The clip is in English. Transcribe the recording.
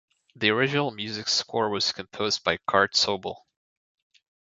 The original music score was composed by Curt Sobel.